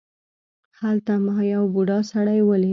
هلته ما یو بوډا سړی ولید.